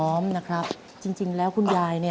ทำงานชื่อนางหยาดฝนภูมิสุขอายุ๕๔ปี